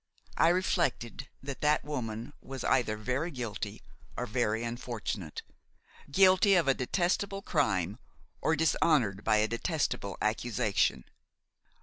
I reflected that that woman was either very guilty or very unfortunate: guilty of a detestable crime or dishonored by a detestable accusation.